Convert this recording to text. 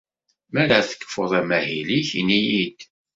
Mi ara tekfuḍ amahil-ik, ini-iyi-d.